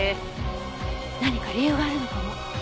何か理由があるのかも。